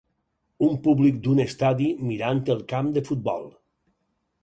Un públic d'un estadi mirant el camp de futbol